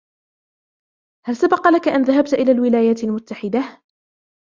هل سبق لك أن ذهبت إلى الولايات المتحدة ؟